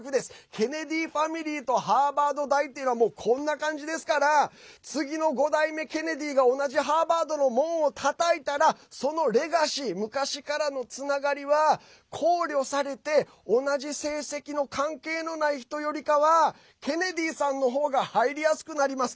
ケネディファミリーとハーバード大っていうのはこんな感じですから次の５代目ケネディが同じハーバードの門をたたいたらそのレガシー昔からのつながりは考慮されて同じ成績の関係のない人よりかはケネディさんの方が入りやすくなります。